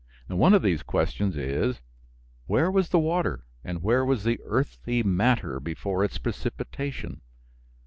One of these questions is, Where was the water and where was the earthy matter before its precipitation?